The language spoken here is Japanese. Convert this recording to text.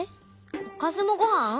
おかずもごはん？